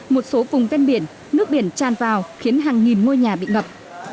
một số vùng ven biển nước biển tràn vào khiến hàng nghìn ngôi nhà bị ngập